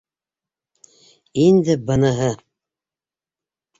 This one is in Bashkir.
Инде быныһы.